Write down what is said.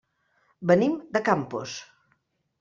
Venim de Campos.